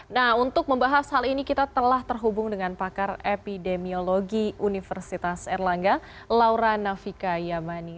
nah untuk membahas hal ini kita telah terhubung dengan pakar epidemiologi universitas erlangga laura navika yamani